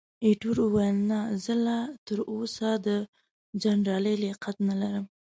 ایټور وویل، نه، زه لا تراوسه د جنرالۍ لیاقت نه لرم.